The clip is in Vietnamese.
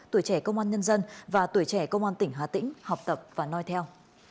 tuổi trẻ công an nhân dân và tuổi trẻ công an tỉnh hà tĩnh học tập và nói theo